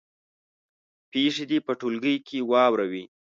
پېښې دې په ټولګي کې واوروي.